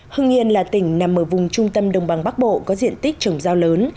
hưng yên là tỉnh nằm ở vùng trung tâm đồng bằng bắc bộ có diện tích trồng rau lớn